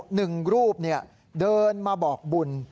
หนึ่งรูปเดินมาบอกบุญ